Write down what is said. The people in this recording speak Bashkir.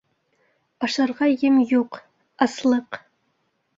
Ашарға ем юҡ — аслыҡ.